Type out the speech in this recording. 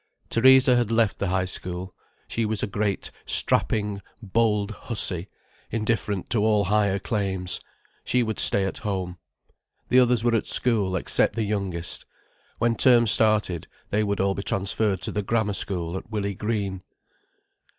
Theresa had left the High School. She was a great strapping, bold hussy, indifferent to all higher claims. She would stay at home. The others were at school, except the youngest. When term started, they would all be transferred to the Grammar School at Willey Green.